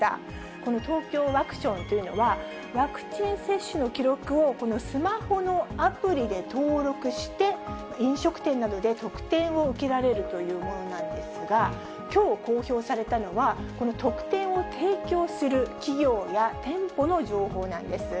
このＴＯＫＹＯワクションというのは、ワクチン接種の記録をスマホのアプリで登録して、飲食店などで特典を受けられるというものなんですが、きょう公表されたのは、この特典を提供する企業や店舗の情報なんです。